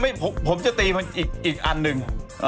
แต่ผมจะตีอีกอันหนึ่ง